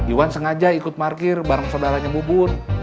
iwan sengaja ikut parkir bareng sodaranya bubun